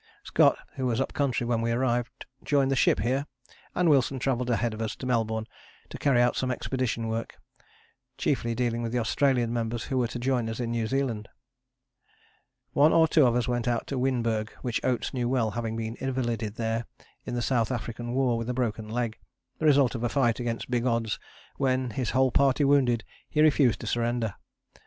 Scott, who was up country when we arrived, joined the ship here, and Wilson travelled ahead of us to Melbourne to carry out some expedition work, chiefly dealing with the Australian members who were to join us in New Zealand. One or two of us went out to Wynberg, which Oates knew well, having been invalided there in the South African War with a broken leg, the result of a fight against big odds when, his whole party wounded, he refused to surrender.